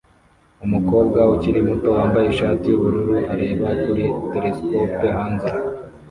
Umukobwa ukiri muto wambaye ishati yubururu areba kuri telesikope hanze